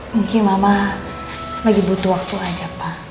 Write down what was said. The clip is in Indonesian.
mungkin mama lagi butuh waktu aja pak